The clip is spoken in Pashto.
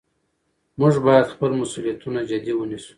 موږ باید خپل مسؤلیتونه جدي ونیسو